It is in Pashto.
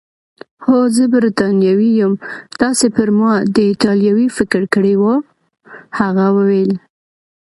هو، زه بریتانوی یم، تاسي پر ما د ایټالوي فکر کړی وو؟ هغه وویل.